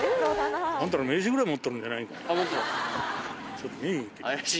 ちょっと。